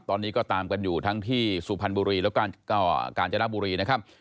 ตอนนี้ก็ตามกันอยู่ทั้งที่สุพรรณบุรีแล้วก็กาญจนบุรีนะครับ